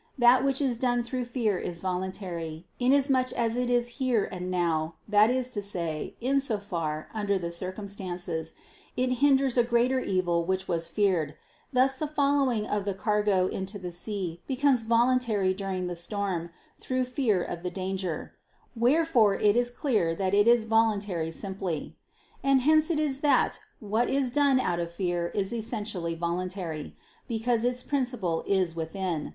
And that which is done through fear is voluntary, inasmuch as it is here and now, that is to say, in so far as, under the circumstances, it hinders a greater evil which was feared; thus the throwing of the cargo into the sea becomes voluntary during the storm, through fear of the danger: wherefore it is clear that it is voluntary simply. And hence it is that what is done out of fear is essentially voluntary, because its principle is within.